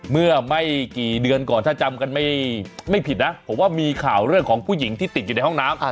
เมื่อไม่กี่เดือนก่อนถ้าจำกันไม่ผิดนะผมว่ามีข่าวเรื่องของผู้หญิงที่ติดอยู่ในห้องน้ำ